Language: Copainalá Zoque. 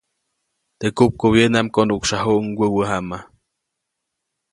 Teʼ kupkubyäŋdaʼm konuʼksyajuʼuŋ wäwä jama.